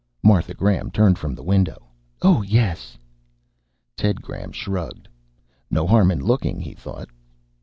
Martha Graham turned from the window. "Oh, yes." Ted Graham shrugged. No harm in looking, he thought.